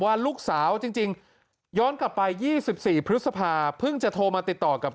ว่าลูกสาวจริงย้อนกลับไป๒๔พฤษภาเพิ่งจะโทรมาติดต่อกับ